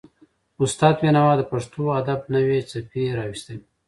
استاد بینوا د پښتو ادب نوې څپې راوستلې.